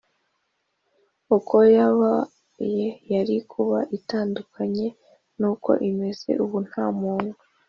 uko yakabaye yari kuba itandukanye n uko imeze ubu Nta muntu